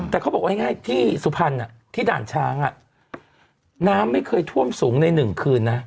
แต่เขาบอกว่าง่ายที่สุพรรณที่ด่านช้างน้ำไม่เคยท่วมสูงใน๑คืนนะ